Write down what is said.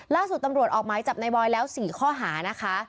ล่าสุดตำรวจออกหมายจับในบอยแล้ว๔ข้อหานะคะ